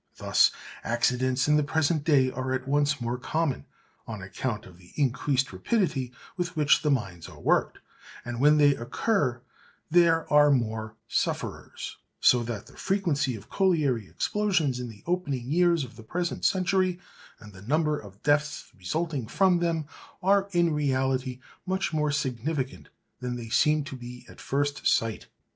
Thus accidents in the present day are at once more common on account of the increased rapidity with which the mines are worked, and when they occur there are more sufferers; so that the frequency of colliery explosions in the opening years of the present century and the number of deaths resulting from them, are in reality much more significant than they seem to be at first sight.